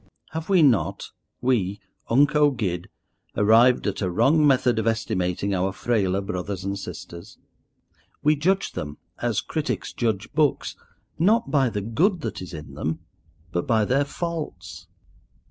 Have we not—we unco guid—arrived at a wrong method of estimating our frailer brothers and sisters? We judge them, as critics judge books, not by the good that is in them, but by their faults.